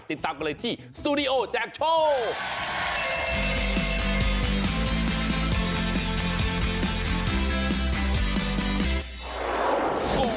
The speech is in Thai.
ติดตามกันเลยที่สตูดิโอแจกโชค